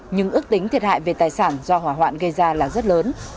nhưng ước tính thiệt hại về tài sản do hỏa hoạn gây ra là rất lớn